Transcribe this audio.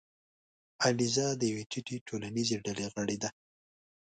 الیزا د یوې ټیټې ټولنیزې ډلې غړې ده.